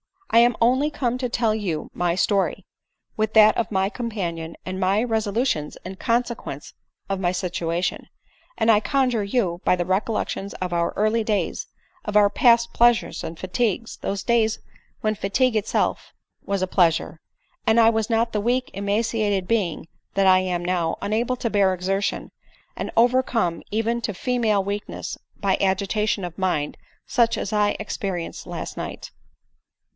I am only come to tell you my story, with that of my companion, and my res olutions in consequence of my situation ; and I conjure you, by the recollections of our early days, of our past pleasures and fatigues, those days when fatigue itself was a pleasure, and 1 was not the weak emaciated being that I am now, unable to bear exertion, and overcome even to female weakness by agitation of mind such as 1 experi enced last night."